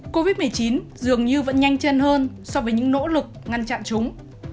covid một mươi chín dường như vẫn nhanh chân hơn so với những nỗ lực ngăn chặn chúng